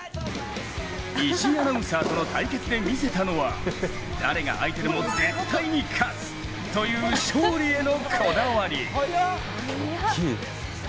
石井アナウンサーとの対決で見せたのは誰が相手でも絶対に勝つという勝利へのこだわり。